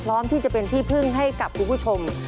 พร้อมที่จะเป็นที่พึ่งให้กับคุณผู้ชม